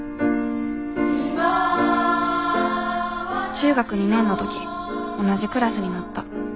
中学２年の時同じクラスになった。